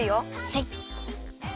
はい。